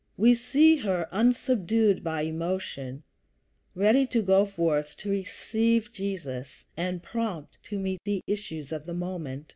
We see her unsubdued by emotion, ready to go forth to receive Jesus, and prompt to meet the issues of the moment.